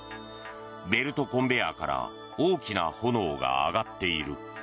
ベルトコンベヤーから大きな炎が上がっている。